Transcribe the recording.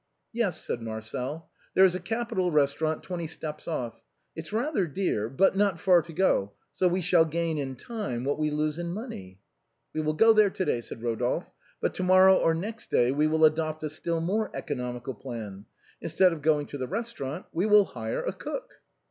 " Yes," said Marcel, " there is a capital restaurant twenty steps off. It's rather dear, but not far to go, so we shall gain in time what we lose in money." *' We will go there to day," said Eodolphe, " but to mor row or next day we will adopt a still more economical plan. Instead of going to the restaurant, we will hire a cook."